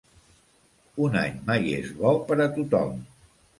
Un any mai és bo per a tothom.